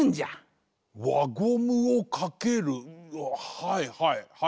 はいはいはい。